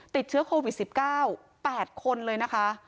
ติดเชื้อโควิด๑๙๘คนเลยนะคะ